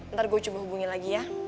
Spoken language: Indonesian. ntar gue coba hubungi lagi ya